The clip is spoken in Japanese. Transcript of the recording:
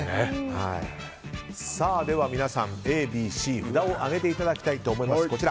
では皆さん札を上げていただきたいと思います。